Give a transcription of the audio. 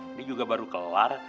ini juga baru kelar